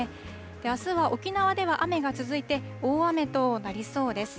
あすは沖縄では雨が続いて、大雨となりそうです。